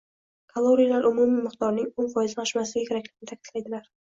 kaloriyalar umumiy miqdorining o‘n foizidan oshmasligi kerakligini ta’kidlaydilar.